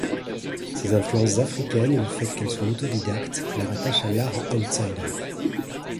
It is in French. Ses influences africaines et le fait qu'elle soit autodidacte la rattachent à l'Art Outsider.